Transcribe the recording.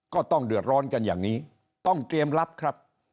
ก็ต้องเดือดร้อนกันอย่างนี้ต้องเตรียมรับครับ